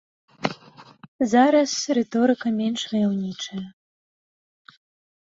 Зараз рыторыка менш ваяўнічая.